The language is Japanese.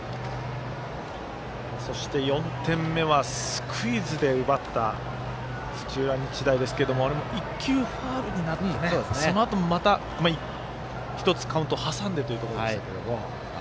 そして４点目はスクイズで奪った土浦日大ですけどあれも１球ファウルになってそのあと、また１つカウントを挟んでということでしたけど。